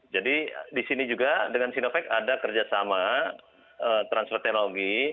jadi di sini juga dengan sinovac ada kerjasama transfer teknologi